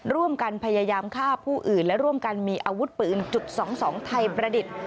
ร่วมกันพยายามฆ่าผู้อื่นและร่วมกันมีอาวุธปืนจุด๒๒ไทยประดิษฐ์